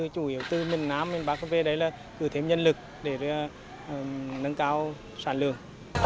chủ yếu từ miền nam miền bắc về đấy là tự thêm nhân lực để nâng cao sản lượng